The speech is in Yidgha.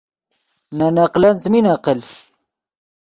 نے نقلن څیمین عقل